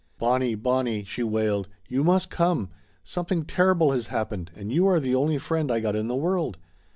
"Bonnie, Bonnie!" she wailed. "You must come! Something terrible has happened, and you are the only friend I got in the world."